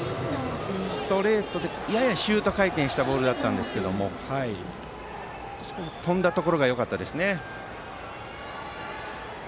ストレートでややシュート回転したボールでしたが飛んだところがよかったですね。